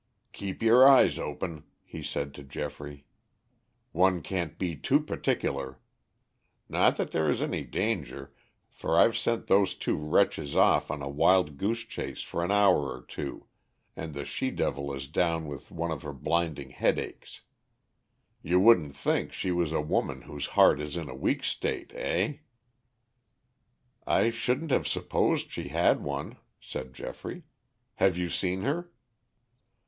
"Keep your eyes open," he said to Geoffrey. "One can't be too particular. Not that there is any danger, for I've sent those two wretches off on a wild goose chase for an hour or two, and the she devil is down with one of her blinding headaches. You wouldn't think she was a woman whose heart is in a weak state, eh?" "I shouldn't have supposed she had one," said Geoffrey. "Have you seen her?"